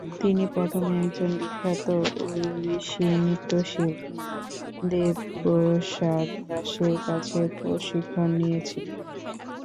তিনি প্রথমে একজন বিখ্যাত ওড়িশি নৃত্যশিল্পী দেব প্রসাদ দাসের কাছে প্রশিক্ষণ নিয়ে ছিলেন।